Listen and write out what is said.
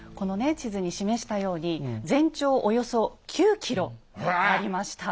地図に示したように全長およそ９ｋｍありました。